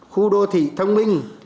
khu đô thị thông minh